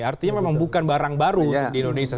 artinya memang bukan barang baru di indonesia